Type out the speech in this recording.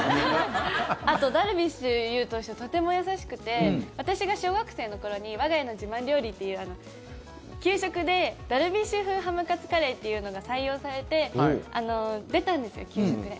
あとダルビッシュ有投手とても優しくて私が小学生の頃に我が家の自慢料理っていう給食でダルビッシュ風ハムカツカレーっていうのが採用されて出たんですよ、給食で。